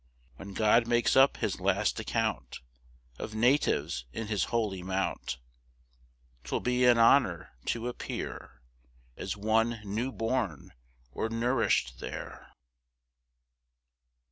5. When God makes up his last account Of natives in his holy mount, 'Twill be an honour to appear As one new born or nourish'd there.